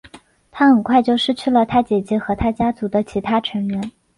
他很快就失去了他姐姐和他家族的其他成员。